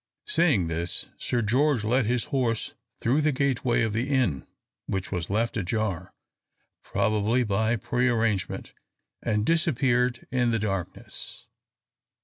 Saying this, Sir George led his horse through the gateway of the inn, which was left ajar, probably by pre arrangement, and disappeared in the darkness.